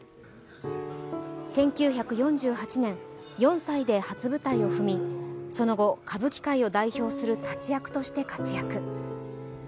１９４８年、４歳で初舞台を踏みその後、歌舞伎界を代表する立役として活躍。